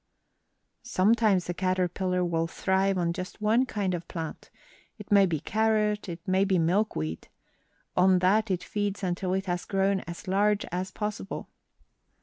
"Sometimes a caterpillar will thrive on just one kind of a plant; it may be carrot, it may be milkweed. On that it feeds until it has grown as large as possible.